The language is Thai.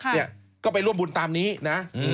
เนี่ยก็ไปร่วมบุญตามนี้นะ